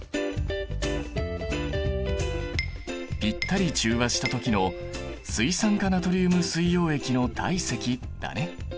ぴったり中和した時の水酸化ナトリウム水溶液の体積だね。